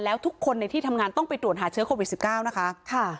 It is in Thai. แล้วทุกคนในที่ทำงานต้องไปตรวจหาเชื้อโควิด๑๙นะคะ